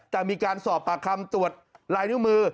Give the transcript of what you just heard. แต่มีการสอบปากคำตรวจลายนิ้วมือ